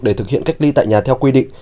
để thực hiện cách ly tại nhà theo quy định